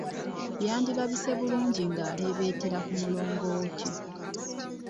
Yandirabise bulungi ng'aleebeetera ku mulongooti.